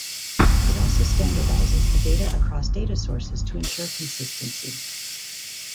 It also standardizes the data across data sources to ensure consistency.